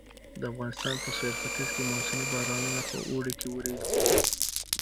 د افغانستان په سویل ختیځ کې مونسوني بارانونه په اوړي کې ورېږي.